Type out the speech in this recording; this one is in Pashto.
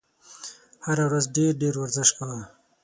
هره ورځ ډېر ډېر ورزش کوه !